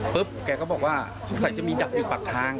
แกก็บอกว่าสงสัยจะมีดักอยู่ปากทาง